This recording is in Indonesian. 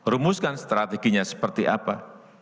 rumuskan strateginya seperti apa